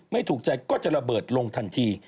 ไม่ถูกใจก็จะระเบิดลงทันที